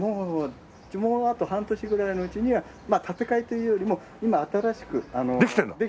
もうあと半年ぐらいのうちにはまあ建て替えというよりも今新しくできてます。